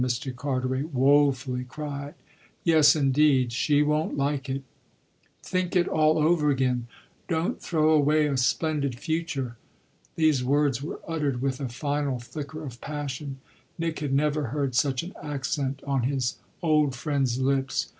Mr. Carteret woefully cried. "Yes indeed she won't like it." "Think it all over again; don't throw away a splendid future!" These words were uttered with a final flicker of passion Nick had never heard such an accent on his old friend's lips.